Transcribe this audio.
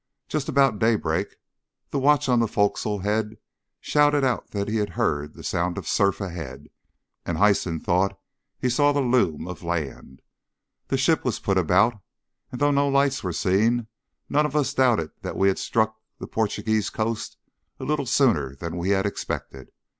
Just about daybreak the watch on the fo'csle head shouted out that he heard the sound of surf ahead, and Hyson thought he saw the loom of land. The ship was put about, and, though no lights were seen, none of us doubted that we had struck the Portuguese coast a little sooner than we had expected.